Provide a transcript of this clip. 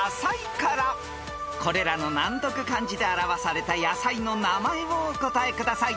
［これらの難読漢字で表された野菜の名前をお答えください］